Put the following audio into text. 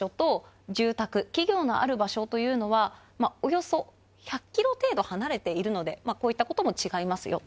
住宅企業のある場所というのは茲１００キロ程度離れているのでこういった事も違いますよと。